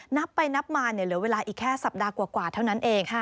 นับไปนับมาเหลือเวลาอีกแค่สัปดาห์กว่าเท่านั้นเอง